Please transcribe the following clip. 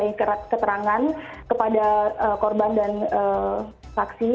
juga sudah diminta keterangan kepada korban dan saksi